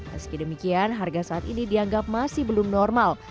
meski demikian harga saat ini dianggap masih belum normal